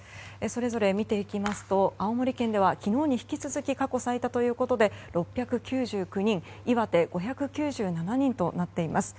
それぞれ見ていきますと青森県では昨日に引き続き過去最多ということで６９９人岩手５９７人となっています。